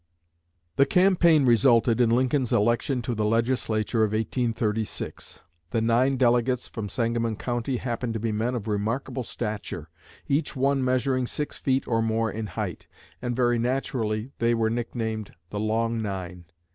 The campaign resulted in Lincoln's election to the Legislature of 1836. The nine delegates from Sangamon County happened to be men of remarkable stature, each one measuring six feet or more in height; and very naturally they were nicknamed the "Long Nine."